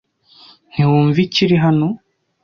Ntiwumva ikiri hano?